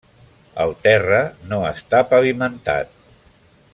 El terra no està pavimentat.